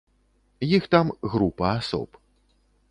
Іх там група асоб.